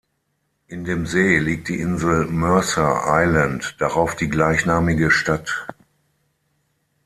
In dem See liegt die Insel Mercer Island, darauf die gleichnamige Stadt.